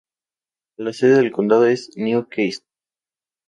La sede del condado es New Castle.